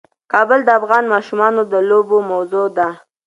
کابل د افغان ماشومانو د لوبو موضوع ده.